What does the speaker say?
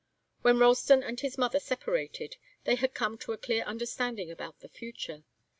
When Ralston and his mother separated, they had come to a clear understanding about the future.